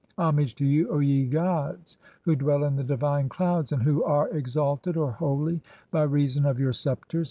Homage to you, O ye gods (3) "who dwell in the divine clouds, and who are exalted (or holy) "by reason of your sceptres!